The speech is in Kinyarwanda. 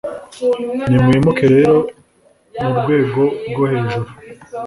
nimwimuke rero murwego rwo hejuru